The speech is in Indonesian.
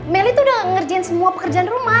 meli itu udah ngerjain semua pekerjaan rumah